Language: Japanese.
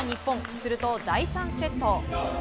すると第３セット。